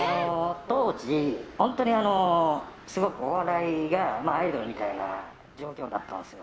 当時、本当にすごくお笑いがアイドルみたいな状況だったんですよ。